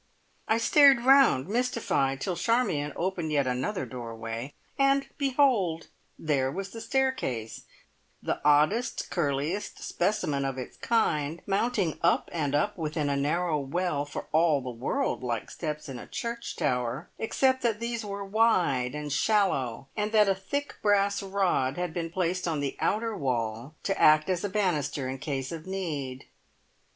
I stared round mystified, till Charmion opened yet another doorway, and behold! there was the staircase, the oddest, curliest specimen of its kind, mounting up and up within a narrow well, for all the world like the steps in a church tower, except that these were wide and shallow, and that a thick brass rod had been placed on the outer wall to act as a banister in the case of need.